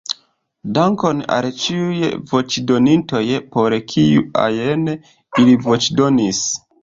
Dankon al ĉiuj voĉdonintoj, por kiu ajn ili voĉdonis.